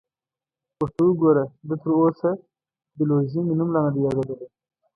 ورته وګوره، ده تراوسه د لوژینګ نوم لا نه دی اورېدلی!